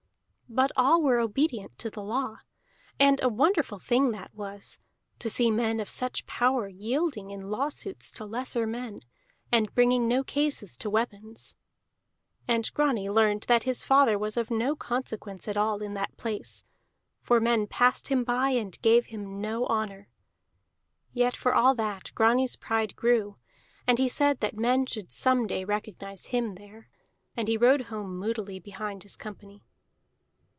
But all were obedient to the law; and a wonderful thing that was, to see men of such power yielding in lawsuits to lesser men, and bringing no cases to weapons. And Grani learned that his father was of no consequence at all in that place, for men passed him by and gave him no honor. Yet for all that Grani's pride grew, and he said that men should some day recognize him there. And he rode home moodily behind his company.